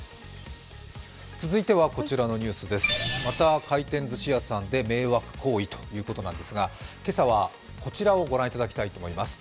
続いてはこちらのニュースです、また回転ずし屋さんで迷惑行為ということですが、今朝はこちらをご覧いただきたいと思います。